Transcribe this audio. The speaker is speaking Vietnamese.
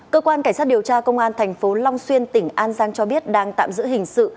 cơ quan cảnh sát điều tra công an thành phố long xuyên tỉnh an giang cho biết đang tạm giữ hình sự